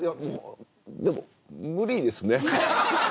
でも、無理ですね。